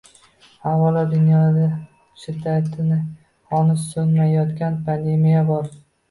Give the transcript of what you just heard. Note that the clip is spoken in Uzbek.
Avvalo, dunyoda shiddati hanuz so‘nmayotgan pandemiya bor.